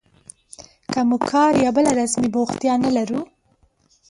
که موږ کار یا بله رسمي بوختیا نه لرو